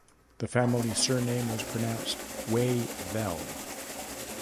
The family surname was pronounced "Way"-vell".